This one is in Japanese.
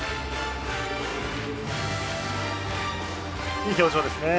いい表情ですね。